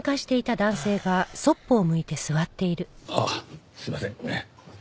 あっすみません。